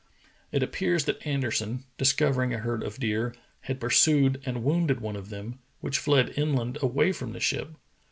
It appears that Anderson, discovering a herd of deer, had pursued and wounded one of them, which fled inland away from the ship.